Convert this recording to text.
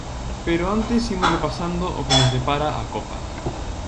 Pero antes imos repasando o que nos depara a copa.